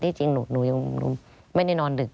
จริงหนูยังไม่ได้นอนดึก